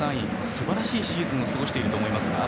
すばらしいシーズンを過ごしていると思いますが。